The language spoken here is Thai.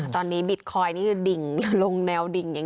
ตอนนี้บิตคอยนี่ดิ่งลงแนวดิ่งอย่างนี้ไหมคะ